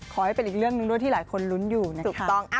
ขอให้เป็นอีกเรื่องหนึ่งด้วยที่หลายคนลุ้นอยู่นะครับ